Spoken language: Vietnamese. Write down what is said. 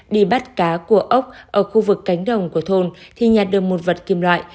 đi bắt cá của ốc ở khu vực cánh đồng của thôn thì nhạt đường một vật kim loại